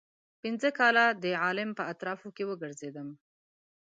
پنځه کاله د عالم په اطرافو کې وګرځېدم.